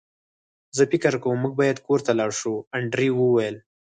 زه فکر کوم موږ باید کور ته لاړ شو انډریو وویل